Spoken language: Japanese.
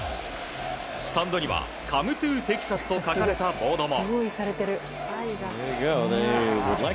スタンドには「カム・トゥ・テキサス」と書かれたボードも。